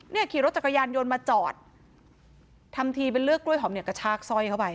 ขี่รถจักรยานยนต์มาจอดทำทีเป็นเลือกกล้วยหอมเนี่ยกระชากสร้อยเข้าไป